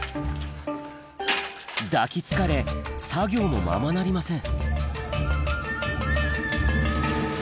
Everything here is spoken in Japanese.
抱きつかれ作業もままなりません